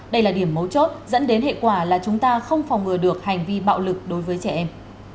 đây là điểm mấu chốt dẫn đến hệ quả là chúng ta không phòng ngừa được hành vi bạo lực đối với trẻ em